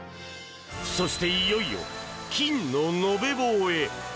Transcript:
そして、いよいよ金の延べ棒へ！